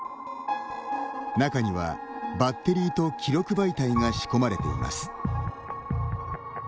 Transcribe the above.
中にはバッテリーと記録媒体が仕込まれています。